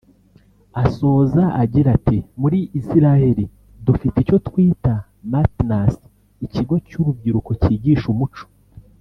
Asoza agira ati “Muri Israel dufite icyo twita “Matnas” (Ikigo cy’urubyiruko cyigisha umuco